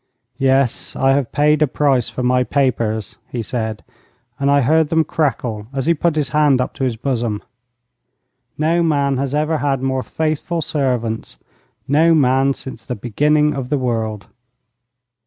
'Yes, I have paid a price for my papers,' he said, and I heard them crackle as he put his hand up to his bosom. 'No man has ever had more faithful servants no man since the beginning of the world.'